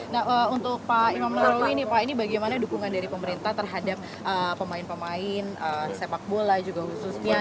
nah untuk pak imam nahrawi ini pak ini bagaimana dukungan dari pemerintah terhadap pemain pemain sepak bola juga khususnya